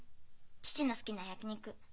父の好きな焼き肉。